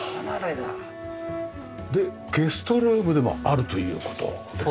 でゲストルームでもあるという事ですよね？